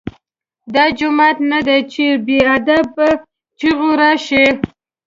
دا جومات نه دی چې بې ادب په چیغو راشې.